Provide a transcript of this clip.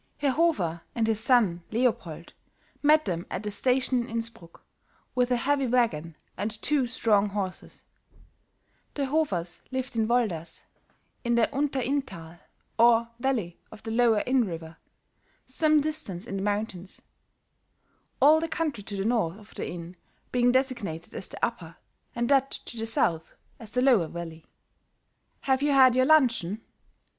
Herr Hofer and his son Leopold met them at the station in Innsbruck, with a heavy wagon and two strong horses; the Hofers lived in Volders in the Unter Innthal or valley of the Lower Inn River, some distance in the mountains; all the country to the north of the Inn being designated as the Upper and that to the south, as the Lower valley. "Have you had your luncheon?"